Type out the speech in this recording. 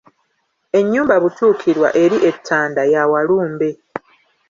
Ennyumba Butuukirwa eri e Ttanda ya Walumbe.